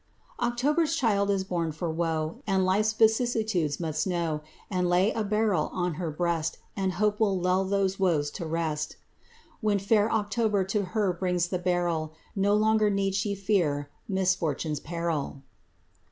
October's child is born for woe, And life's vicissitudes must know; But lay a beryl on her breast, And Hope will lull those woes to rest. When fair October to her brings the beryl, No longer need she fear misfortune's peril.